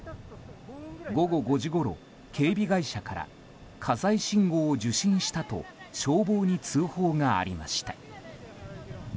午後５時ごろ、警備会社から火災信号を受信したと消防に通報がありました。